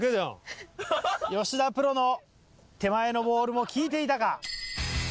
吉田プロの手前のボールも効いていたか。